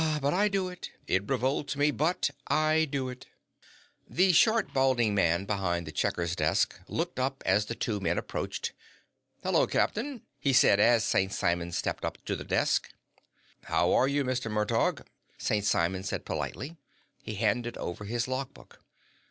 But I do it! It revolts me, but I do it!" The short, balding man behind the checker's desk looked up as the two men approached. "Hello, captain," he said as St. Simon stepped up to the desk. "How are you, Mr. Murtaugh?" St. Simon said politely. He handed over his log book.